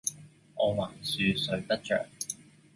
我橫豎睡不着，